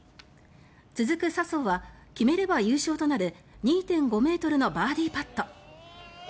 続く笹生は決めれば優勝となる２．５ｍのバーディーパット。